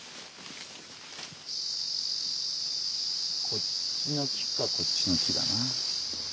こっちの木かこっちの木だな。